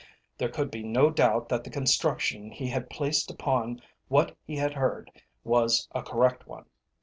There could be no doubt that the construction he had placed upon what he had heard was a correct one.